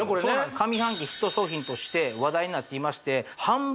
上半期ヒット商品として話題になっていまして販売